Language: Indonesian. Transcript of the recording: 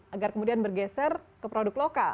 agar kemudian bergeser ke produk lokal